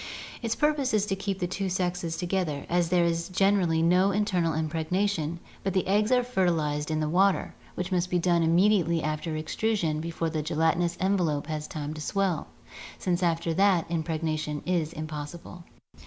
Its purpose is to keep the two sexes together, as there is generally no internal impregnation but the eggs are fertilized "5 Il6 ORGANIC EVOLUTION in the water, which must be done immediately after extrusion before the gelatinous envelope has time to swell, since after that impregnation is impossible.